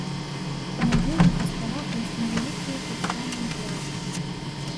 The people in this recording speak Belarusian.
На буйных астравах ёсць невялікія пясчаныя пляжы.